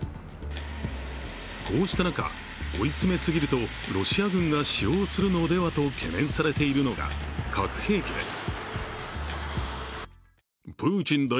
こうした中、追い詰め過ぎるとロシア軍が使用するのではと懸念されているのが核兵器です。